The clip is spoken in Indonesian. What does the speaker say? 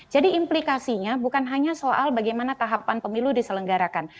jadi implikasinya bukan hanya soal bagaimana tahapan pemilu diselenggarakan